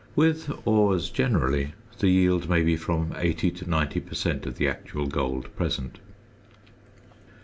With ores generally, the yield may be from 80 to 90 per cent. of the actual gold present.